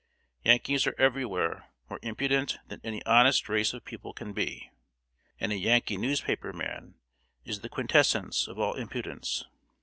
Yankees are everywhere more impudent than any honest race of people can be, and a Yankee newspaper man is the quintessence of all impudence.